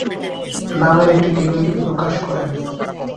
নামের একটি ডিভিডি প্রকাশ করেন।